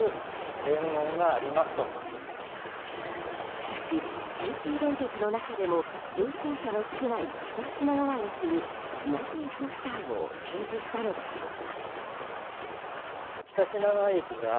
しかし、京急電鉄の中でも乗降者の少ない北品川駅になぜ、ポスターを掲示したのでしょうか？